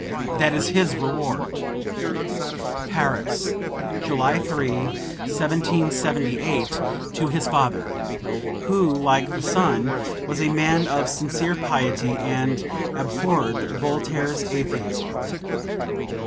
That is his reward!" (Paris, July 3, 1778, to his father, who, like the son, was a man of sincere piety and abhorred Voltaire's atheism.)